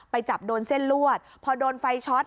จับโดนเส้นลวดพอโดนไฟช็อต